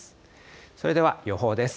それでは予報です。